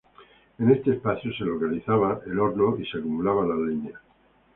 En este espacio se localizaba el horno y se acumulaba la leña.